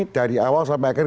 dari awal sampai akhirnya